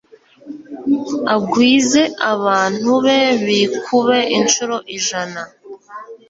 agwize abantu be bikube incuro ijana